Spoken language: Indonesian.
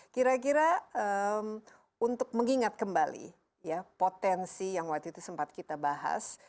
kira kira untuk mengingat kembali ya potensi yang waktu itu sempat kita bahas